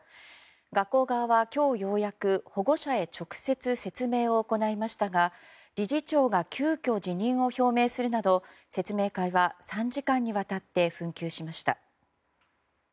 学校側は今日ようやく保護者へ直接説明を行いましたが理事長が急きょ辞任を表明するなど説明会は３時間にわたって紛糾しました。